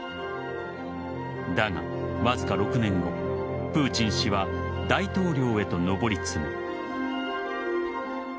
だが、わずか６年後プーチン氏は大統領へと上り詰め